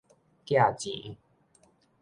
寄錢